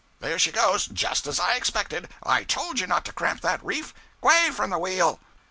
_' 'There she goes! _Just _as I expected! I told you not to cramp that reef. G'way from the wheel!'